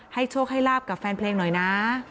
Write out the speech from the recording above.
โชคให้ลาบกับแฟนเพลงหน่อยนะ